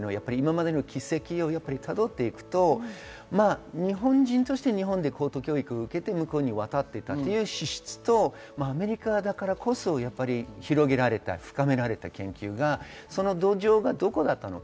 科学的な波及が大きいですが、真鍋先生は今までの軌跡をたどっていくと、日本人として高等教育を受けて、向こうに渡っていた史実と、アメリカだからこそ広げられた、深められた研究は、その土壌がどこだったのか、